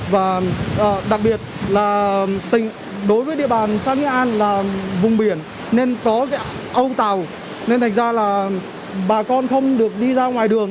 và đặc biệt là đối với địa bàn xã nghĩa an là vùng biển nên có âu tàu nên thành ra là bà con không được đi ra ngoài đường